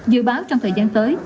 dự báo trong thời gian tới